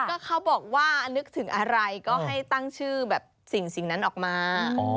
ก็เขาบอกว่านึกถึงอะไรก็ให้ตั้งชื่อแบบสิ่งนั้นออกมา